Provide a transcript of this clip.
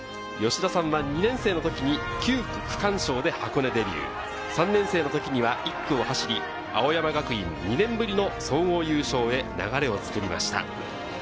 吉田さんは２年生の時に９区区間賞で箱根デビュー、３年生の時には１区を走り、青山学院２年ぶりの総合優勝へ流れを作りました。